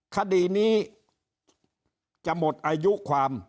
คดีนี้จะหมดอายุความ